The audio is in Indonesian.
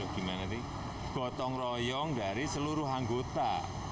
gotong royong dari seluruh anggota